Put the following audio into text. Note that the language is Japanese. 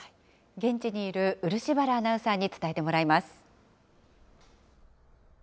現地にいる漆原アナウンサーに伝えてもらいます。